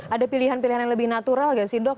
ada pilihan pilihan yang lebih natural nggak sih dok